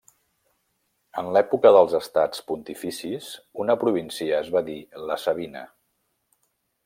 En l'època dels Estats Pontificis una província es va dir La Sabina.